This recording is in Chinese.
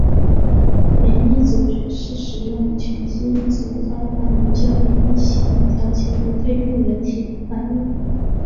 免疫组学是使用全基因组方法研究免疫系统调节和对病原体的反应。